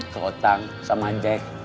ke otang sama jack